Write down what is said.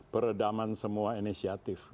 peredaman semua inisiatif